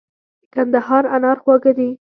د کندهار انار خواږه دي.